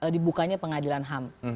dibukanya pengadilan ham